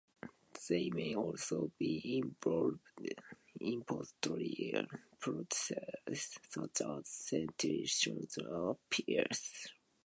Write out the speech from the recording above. They may also be involved in post-trial procedures such as sentencing and appeals.